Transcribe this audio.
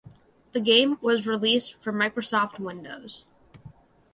The game was released for Microsoft Windows.